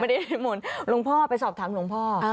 นิมนต์หลวงพ่อไปสอบถามหลวงพ่อ